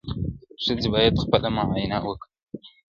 ښځې باید خپله معاینه وکړي.